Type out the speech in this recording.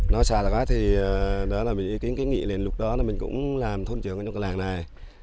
nó xa quá thì đó là bị ý kiến kế nghị lên lục đó mình cũng làm thôn trường ở trong cái làng này